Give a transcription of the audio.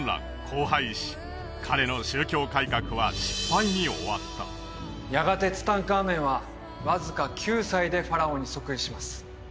荒廃し彼の宗教改革は失敗に終わったやがてツタンカーメンはわずか９歳でファラオに即位します